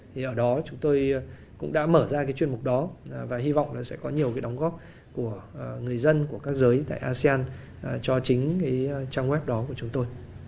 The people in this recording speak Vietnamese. thì ở đó chúng tôi cũng đã mở ra cái chuyên mục đó và hy vọng là sẽ có nhiều cái đóng góp của người dân của các giới tại asean cho chính cái trang web đó của chúng tôi